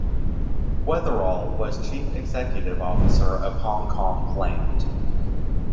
Weatherall was chief executive officer of Hongkong Land.